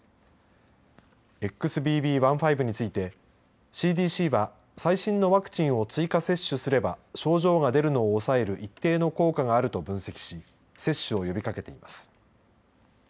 ＸＢＢ．１．５についてＣＤＣは最新のワクチンを追加接種すれば症状が出るのを抑える一定の効果があると分析し接種を呼びかけています。